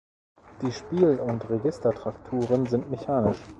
Die Spiel- und Registertrakturen sind mechanisch.